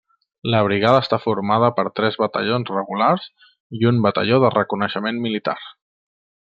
La brigada està formada per tres batallons regulars i un batalló de reconeixement militar.